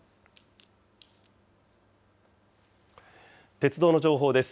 鉄道の情報です。